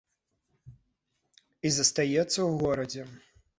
І застаецца ў горадзе.